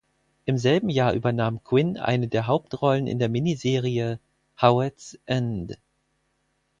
Im selben Jahr übernahm Quinn eine der Hauptrollen in der Miniserie "Howards End".